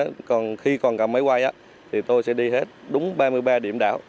cái mong muốn của tôi là khi còn cầm máy quay thì tôi sẽ đi hết đúng ba mươi ba điểm đảo